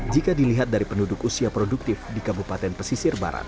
jika dilihat dari penduduk usia produktif di kabupaten kerui